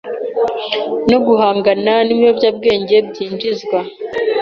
no guhangana n’ibiyobyabwenge byinjizwa